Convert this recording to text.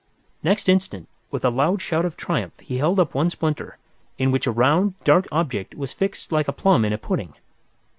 Next instant, with a loud shout of triumph he held up one splinter, in which a round, dark object was fixed like a plum in a pudding.